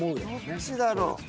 どっちだろう。